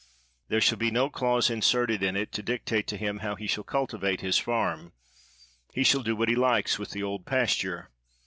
There shall be no clause in serted in it to dictate to him how he shall culti vate his farm; he shall do what he likes with the old pasture.